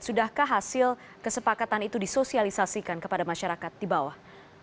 sudahkah hasil kesepakatan itu disosialisasikan kepada masyarakat di bawah